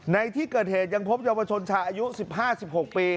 ในที่เกิดเหตุยังพบเยาวชนชายอายุ๑๕๑๖ปี